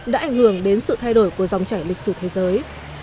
đã ảnh hưởng đến sự thay đổi của dòng trải lịch sử thế giới